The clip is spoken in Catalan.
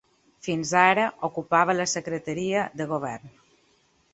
Fins ara ocupava la secretaria de govern.